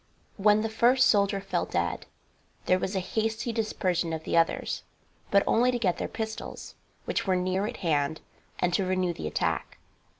When the first soldier fell dead there was a hasty dispersion of the others, but only to get their pistols, which were near at hand, and to renew the attack.